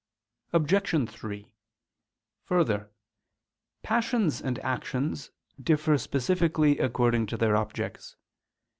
Obj. 3: Further, passions and actions differ specifically according to their objects.